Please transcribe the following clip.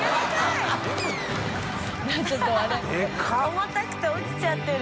重たくて落ちちゃってる。